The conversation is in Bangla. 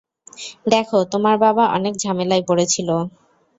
দ্যাখো, তোমার বাবা অনেক ঝামেলায় পড়েছিল।